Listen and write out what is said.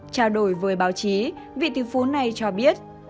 trao đổi với báo chí vị tỷ phú này cho biết